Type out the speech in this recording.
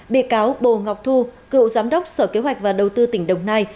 bị cáo bồ ngọc thu cựu giám đốc sở kế hoạch và đầu tư tỉnh đồng nai